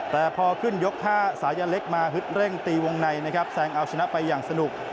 แต่พอขึ้นยก๕สายันเล็กมาฮึดเร่งตีวงในนะครับแซงเอาชนะไปอย่างสนุก